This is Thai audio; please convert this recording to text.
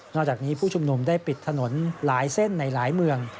จากนี้ผู้ชุมนุมได้ปิดถนนหลายเส้นในหลายเมือง